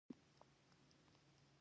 د ماشین آلاتو له منځه تلل هم پېښېږي